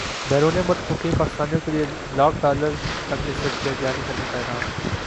بیرون ملک مقیم پاکستانیوں کیلئے لاکھ ڈالر تک کے سرٹفکیٹ جاری کرنے کا اعلان